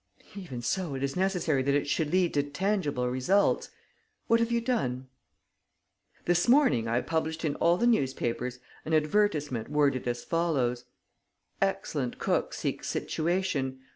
Even so, it is necessary that it should lead to tangible results. What have you done?" "This morning I published in all the newspapers an advertisement worded as follows: 'Excellent cook seeks situation.